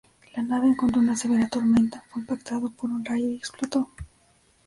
La nave encontró una severa tormenta, fue impactado por un rayo y explotó.